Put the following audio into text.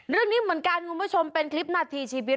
เรื่องนี้เหมือนกันคุณผู้ชมเป็นคลิปนาทีชีวิต